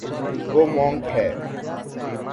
وہ مونک ہے